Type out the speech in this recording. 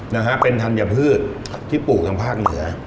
นะฮะเป็นธัญพืชที่ปลูกทางภาคเหนือ